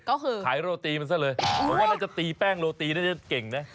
ก็คือขายโรตีมันซะเลยผมว่าน่าจะตีแป้งโรตีน่าจะเก่งนะ